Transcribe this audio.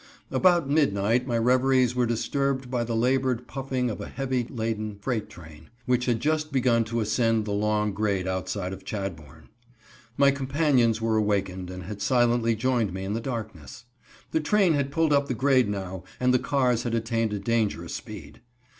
About midnight my reveries were disturbed by the labored puffing of a heavy laden freight train, which had just begun to ascend the long grade outside of Chadbourn. My companions were awakened and had silently joined me in the darkness. The train had pulled up the grade now and the cars had attained a dangerous speed.